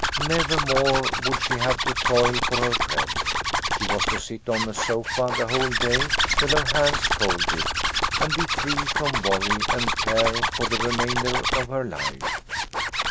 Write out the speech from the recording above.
Never more would she have to toil for her bread. She was to sit on a sofa the whole day, with her hands folded, and be free from worry and care for the remainder of her life.